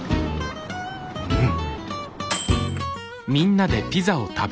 うん。